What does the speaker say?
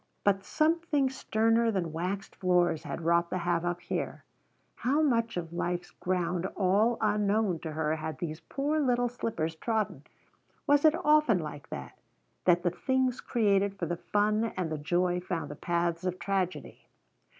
But something sterner than waxed floors had wrought the havoc here. How much of life's ground all unknown to her had these poor little slippers trodden? Was it often like that? that the things created for the fun and the joy found the paths of tragedy?